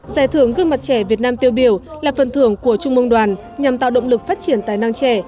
giải thưởng gương mặt trẻ việt nam tiêu biểu là phần thưởng của trung mương đoàn nhằm tạo động lực phát triển tài năng trẻ